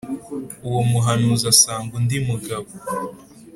Uwo muhanuzi asanga undi mugabo